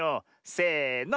せの！